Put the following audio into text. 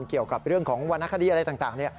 เกี่ยวกับเรื่องของวรรณคดีอะไรต่าง